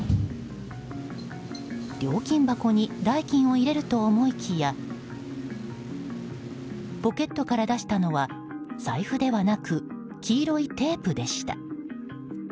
料金箱に代金を入れると思いきやポケットから出したのは財布ではなく黄色いテープでした。